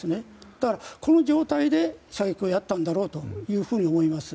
だから、この状態で射撃をやったんだろうと思います。